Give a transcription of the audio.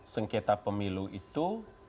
sengketa pemilu itu